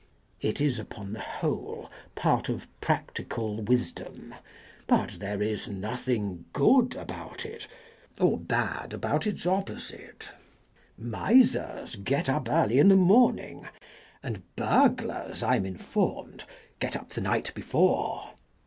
It is upon the whole part of practical wisdom ; but there is nothing good about it or bad about its opposite. Misers get up early in the morning; and burglars, I am informed, get up the night before.